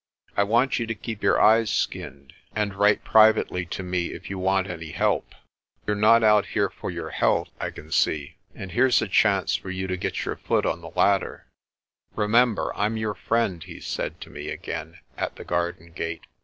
I want you to keep your eyes skinned, and write privately to me if you want any help. You're not out here for your health, I can FURTH! FORTUNE! 37 see, and here's a chance for you to get your foot on the ladder. "Remember, Pm your friend," he said to me again at the garden gate.